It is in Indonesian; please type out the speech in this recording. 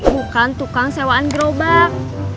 bukan tukang sewaan gerobak